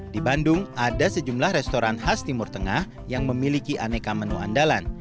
di bandung ada sejumlah restoran khas timur tengah yang memiliki aneka menu andalan